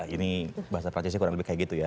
ini bahasa perancisnya kurang lebih kayak gitu ya